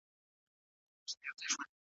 انارګل ته وویل شول چې خپله شیرني وخوري.